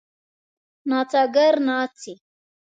نڅاګر ناڅي.